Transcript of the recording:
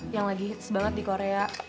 yang lagi hits banget di korea